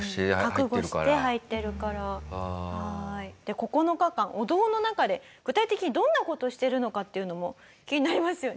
９日間お堂の中で具体的にどんな事をしてるのかっていうのも気になりますよね。